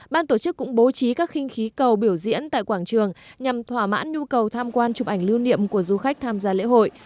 ban tổ chức cũng bố trí các khinh khí cầu biểu diễn tại quảng trường nhằm thỏa mãn nhu cầu tham quan chụp ảnh lưu niệm của du khách tham gia lễ hội